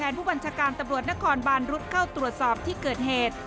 ผู้บัญชาการตำรวจนครบานรุษเข้าตรวจสอบที่เกิดเหตุ